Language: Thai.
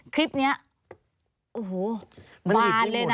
คลิปนี้โอ้โหบานเลยนะ